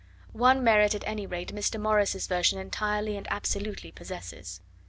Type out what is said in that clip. One merit, at any rate, Mr. Morris's version entirely and absolutely possesses.